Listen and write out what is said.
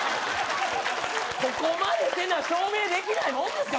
ここまでせな証明できないもんですか？